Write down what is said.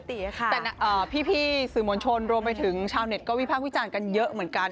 แต่พี่สื่อมวลชนรวมไปถึงชาวเน็ตก็วิพากษ์วิจารณ์กันเยอะเหมือนกัน